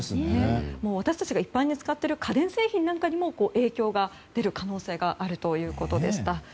私たちが一般に使っている家電にも影響が出ることがあるということでした。